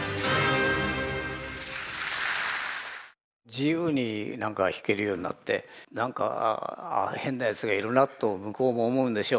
自由になんか弾けるようになってなんかああ変なやつがいるなと向こうも思うんでしょう。